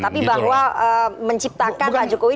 tapi bahwa menciptakan pak jokowi